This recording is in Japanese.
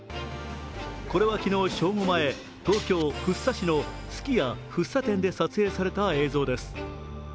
これは昨日正午前、東京・福生市のすき家福生店で撮影された映像です。